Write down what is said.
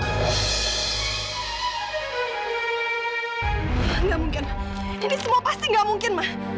gak mungkin ma ini semua pasti gak mungkin ma